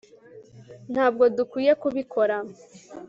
ntabwo dukwiye kubikora